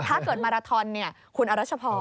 ถ้าเกิดมาราทรอนนี่คุณเอาได้เฉพาะ